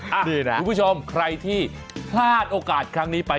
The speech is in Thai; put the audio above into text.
นี่แหละคุณผู้ชมใครที่พลาดโอกาสครั้งนี้ไป